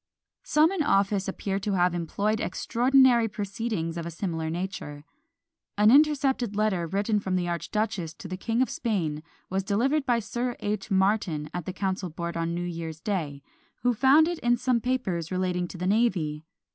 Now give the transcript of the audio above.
Some in office appear to have employed extraordinary proceedings of a similar nature. An intercepted letter written from the archduchess to the King of Spain, was delivered by Sir H. Martyn at the council board on New Year's day, who found in it some papers relating to the navy.